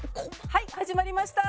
はい始まりました。